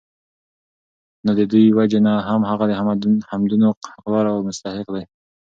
نو د دي وجي نه هم هغه د حمدونو حقدار او مستحق دی